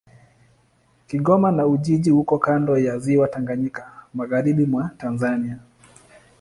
Kigoma na Ujiji iko kando ya Ziwa Tanganyika, magharibi mwa Tanzania.